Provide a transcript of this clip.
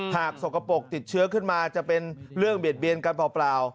สกปรกติดเชื้อขึ้นมาจะเป็นเรื่องเบียดเบียนกันเปล่า